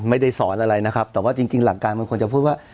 ไม่ได้สอนอะไรนะครับแต่ว่าจริงหลักการมันควรจะพูดว่า